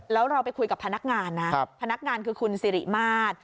แล้วเราไปคุยกับพนักงานนะพนักงานคือคุณสิริมาตร